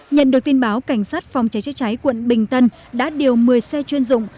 nhận được tin báo cảnh sát phòng cháy cháy cháy quận bình tân đã điều một mươi xe chuyên dụng